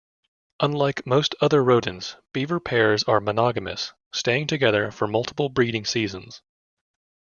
Unlike most other rodents, beaver pairs are monogamous, staying together for multiple breeding seasons.